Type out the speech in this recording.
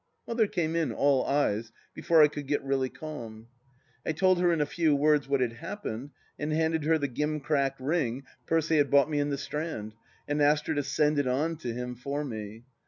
Mother came in, all eyes, before I could get really calm. I told her in a few words what had happened, and handed her the gimcrack ring Percy had bought me in the Strand, and asked her to send it on to him for me.